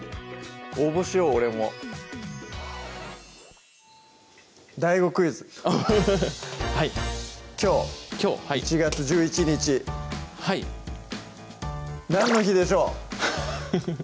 応募しよう俺もＤＡＩＧＯクイズハハハはいきょう１月１１日はい何の日でしょう？